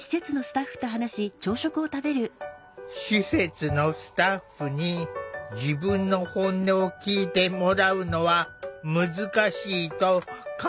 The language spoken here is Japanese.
施設のスタッフに自分の本音を聴いてもらうのは難しいと感じてきた。